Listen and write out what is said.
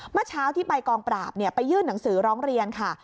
เมื่อเช้าที่ไปกองปราบไปยื่นหนังสือร้องเรียนค่ะ